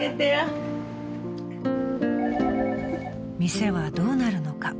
☎［店はどうなるのか？］